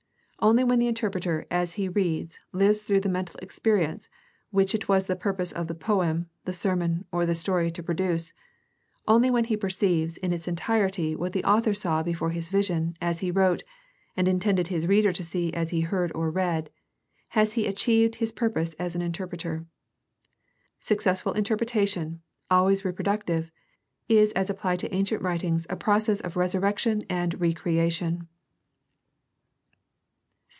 Only when the interpreter as he reads lives through the mental experience which it was the purpose of the poem, the sermon, or the story to produce, only when he perceives in its entirety what the author saw before his vision as he wrote and intended his reader to see as he heard or read, has he achieved his purpose as interpreter. Successful interpretation, always reproductive, is as applied to ancient writings a process of resurrection and recreation.